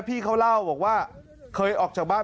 พี่เขาเล่าบอกว่าเคยออกจากบ้าน